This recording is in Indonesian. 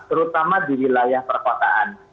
terutama di wilayah perkotaan